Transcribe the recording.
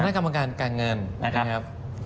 คณะกรรมการการเงินนะครับ